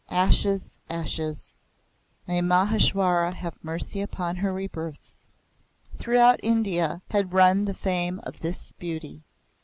(Ashes ashes! May Maheshwara have mercy upon her rebirths!) Throughout India had run the fame of this beauty.